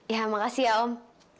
ya makasih ya om